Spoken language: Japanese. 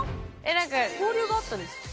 なんか交流があったんですか？